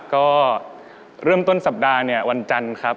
ก็เริ่มต้นสัปดาห์เนี่ยวันจันทร์ครับ